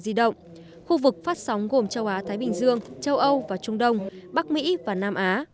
di động khu vực phát sóng gồm châu á thái bình dương châu âu và trung đông bắc mỹ và nam á